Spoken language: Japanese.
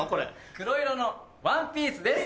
黒色のワンピースです！